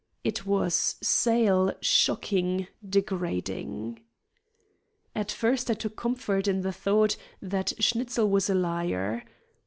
It was sale, shocking, degrading. At first I took comfort in the thought that Schnitzel was a liar.